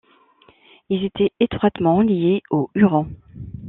Ils étaient étroitement liés aux Hurons.